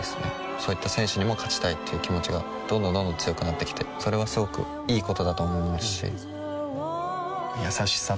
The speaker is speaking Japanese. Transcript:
そういった選手にも勝ちたいっていう気持ちがどんどんどんどん強くなってきてそれはすごくいいことだと思いますし優しさとは？